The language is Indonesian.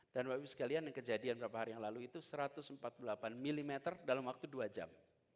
dan bapak ibu sekalian yang kejadian berapa hari yang lalu itu satu ratus empat puluh delapan mm dalam waktu dua jam